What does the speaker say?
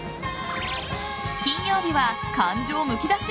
金曜日は感情むき出し